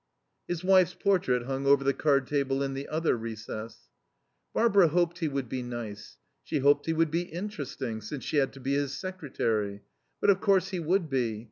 His wife's portrait hung over the card table in the other recess. Barbara hoped he would be nice; she hoped he would be interesting, since she had to be his secretary. But, of course, he would be.